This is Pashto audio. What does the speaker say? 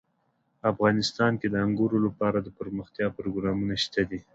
افغانستان کې د انګورو لپاره دپرمختیا پروګرامونه شته دي.